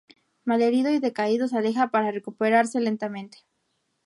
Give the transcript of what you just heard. Malherido y decaído se aleja para recuperarse lentamente.